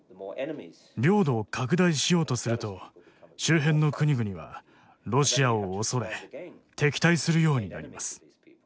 領土を拡大しようとすると周辺の国々はロシアを恐れ敵対するようになります。